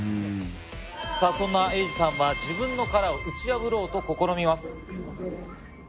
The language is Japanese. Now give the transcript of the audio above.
さぁそんなエイジさんは自分の殻を打ち破ろうと試みます。